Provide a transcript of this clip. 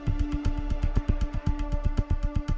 dia mencuri itu karena disuruh pc